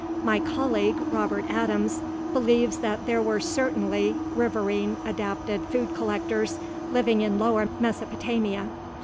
My colleague, Robert Adams, believes that there were certainly riverine adapted food collectors living in lower Mesopotamia.